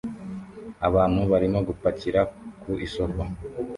Abantu barimo gupakira ku isoko